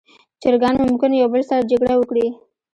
چرګان ممکن یو بل سره جګړه وکړي.